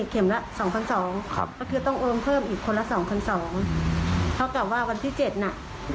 ก็คือต้องโอนเพิ่มอีกคนละ๒๒๐๐เพราะว่าวันที่๗น่ะ